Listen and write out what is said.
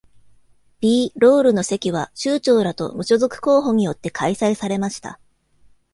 「B」ロールの席は酋長らと無所属候補によって開催されました。